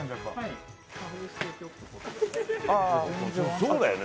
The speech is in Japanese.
そうだよね